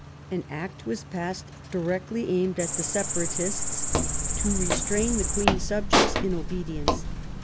An Act was passed, directly aimed at the Separatists, '* to restrain the Queen's subjects in obedience *\.